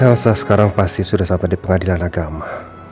elsa sekarang pasti sudah sampai di pengadilan agama